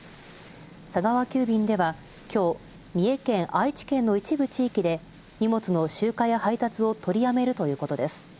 佐川急便では、きょう、三重県、愛知県の一部地域で荷物の集荷や配達を取りやめるということです。